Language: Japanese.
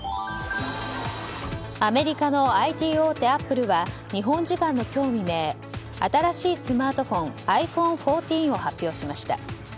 アメリカのＩＴ大手アップルは日本時間の今日未明新しいスマートフォンｉＰｈｏｎｅ１４を発表しました。